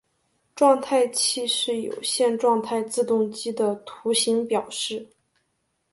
状态器是有限状态自动机的图形表示。